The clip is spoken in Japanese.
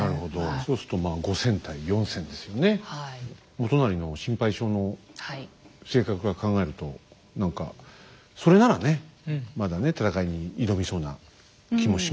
元就の心配性の性格から考えると何かそれならねまだね戦いに挑みそうな気もしますけどね。